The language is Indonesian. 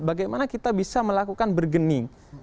bagaimana kita bisa melakukan bergening